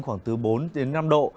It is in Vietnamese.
khoảng từ bốn năm độ